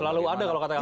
selalu ada kalau kata ya